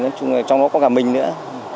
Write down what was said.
nói chung là trong đó có cả mình nữa